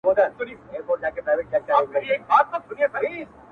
یا دي کډه له خپل کوره بارومه,